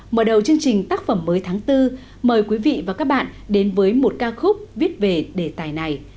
mở đầu chương trình tác phẩm mới tháng bốn mời quý vị và các bạn đến với một ca khúc viết về đề tài này